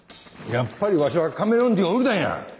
やっぱりわしはカメレオンティーを売りたいんや。